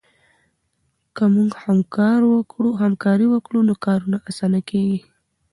که موږ همکاري وکړو نو کارونه اسانه کېږي.